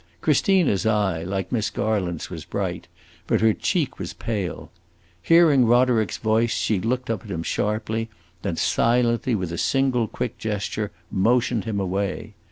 Christina's eye, like Miss Garland's, was bright, but her cheek was pale. Hearing Roderick's voice, she looked up at him sharply; then silently, with a single quick gesture, motioned him away.